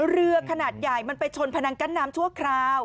เรือขนาดใหญ่มันไปชนพนังกั้นน้ำชั่วคราว